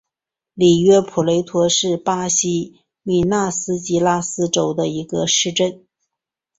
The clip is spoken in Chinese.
里约普雷托是巴西米纳斯吉拉斯州的一个市镇。